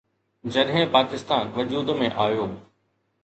جڏهن پاڪستان وجود ۾ آيو.